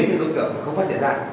để khiến đối tượng không phát triển ra